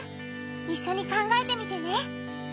いっしょに考えてみてね！